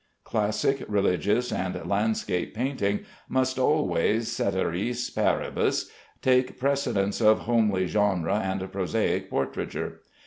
Classic, religious, and landscape painting must always, ceteris paribus, take precedence of homely genre and prosaic portraiture.